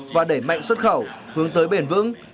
và đẩy mạnh xuất khẩu hướng tới bền vững